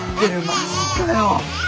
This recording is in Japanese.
マジかよ。